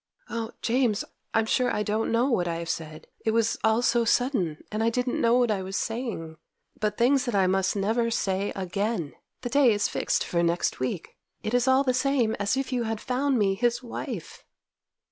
'Oh! James, I'm sure I don't know what I have said. It was all so sudden, and I didn't know what I was saying—but things that I must never say again. The day is fixed for next week. It is all the same as if you had found me his wife!